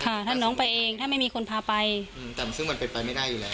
ค่ะถ้าน้องไปเองถ้าไม่มีคนพาไปอืมแต่ซึ่งมันเป็นไปไม่ได้อยู่แล้ว